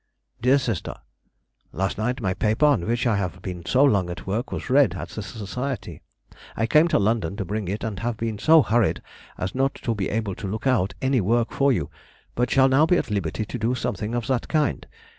DEAR SISTER,— Last night my paper on which I have been so long at work was read at the society. I came to London to bring it, and have been so hurried as not to be able to look out any work for you, but shall now be at liberty to do something of that kind.